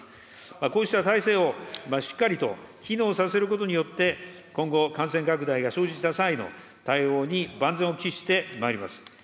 こうした体制をしっかりと機能させることによって、今後、感染拡大が生じた際の対応に万全を期してまいります。